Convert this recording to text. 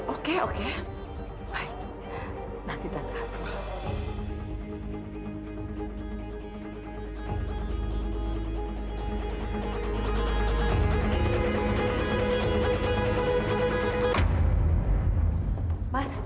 oke oke baik nanti tante atur